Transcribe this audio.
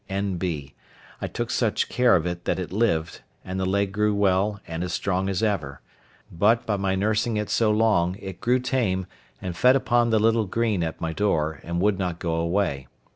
N.B.—I took such care of it that it lived, and the leg grew well and as strong as ever; but, by my nursing it so long, it grew tame, and fed upon the little green at my door, and would not go away.